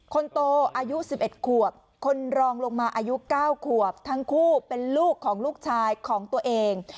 คนโตอายุ๑๑ขวบคนรองลงมาอายุ๙ขวบทั้งคู่เป็นลูกของลูกชายของตัวเอง